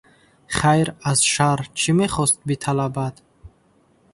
Хайр аз Шар чӣ мехост биталабад?